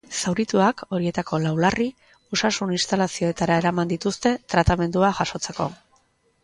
Zaurituak, horietako lau larri, osasun instalazioetara eraman dituzte tratamendua jasotzeko.